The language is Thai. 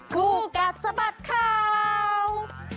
คู่กัดสะบัดข่าว